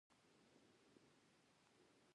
چې زه هم نشم کولی توپیر وکړم